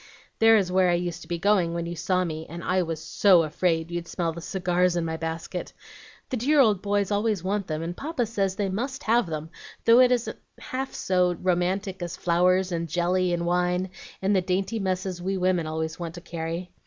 "There is where I used to be going when you saw me, and I was SO afraid you'd smell the cigars in my basket. The dear old boys always want them, and Papa says they MUST have them, though it isn't half so romantic as flowers, and jelly, and wine, and the dainty messes we women always want to carry.